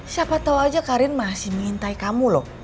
siapa tau aja karin masih minta kamu lho